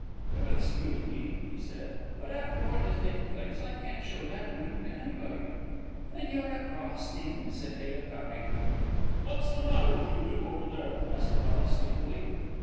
"You'll excuse me," he said; "but after what has taken place, I can't show that ring to anybody." "Then you're a cross thing!" said Ada, pouting. "What's the matter with you two, over there?" asked Bella, sleepily.